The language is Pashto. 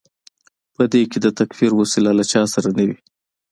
په کې د تکفیر وسله له چا سره نه وي.